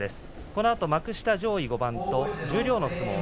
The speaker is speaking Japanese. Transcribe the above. このあと幕下上位５番と十両の相撲。